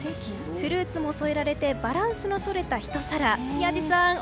フルーツも添えられてバランスのとれたひと皿。